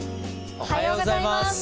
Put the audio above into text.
おはようございます。